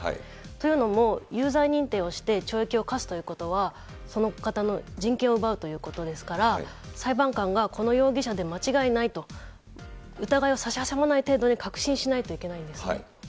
というのも有罪認定して懲役を科すということは、その方の人権を奪うということですから、裁判官がこの容疑者で間違いないと、疑いを差し挟まない程度で確信しないといけないんですね。